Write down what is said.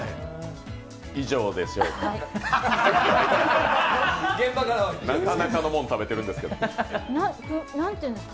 以上でしょうか？